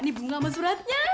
ini bunga sama suratnya